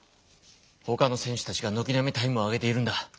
ほかの選手たちがのきなみタイムを上げているんだ。